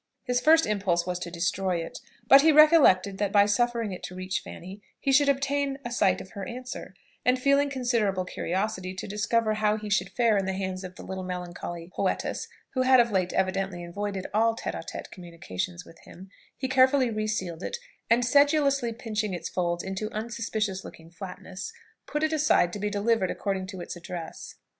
His first impulse was to destroy it. But he recollected that by suffering it to reach Fanny, he should obtain a sight of her answer; and feeling considerable curiosity to discover how he should fare in the hands of the little melancholy poetess who had of late evidently avoided all tête à tête communication with him, he carefully re sealed it, and sedulously pinching its folds into unsuspicious looking flatness, put it aside to be delivered according to its address.